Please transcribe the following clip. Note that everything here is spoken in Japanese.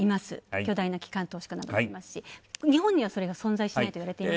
巨大な機関としてもありますし日本にはそれが存在しないといわれてますが。